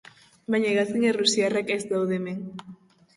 Baina hegazkin errusiarrak ez daude hemen.